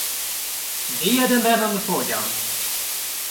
Det är den brännande frågan.